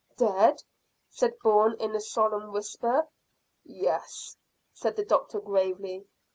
"Dead?" said Bourne, in a solemn whisper. "Yes," said the doctor gravely.